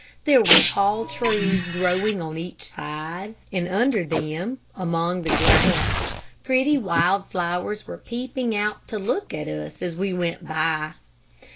There were tall trees growing on each side, and under them, among the grass, pretty wild flowers were peeping out to look at us as we went by.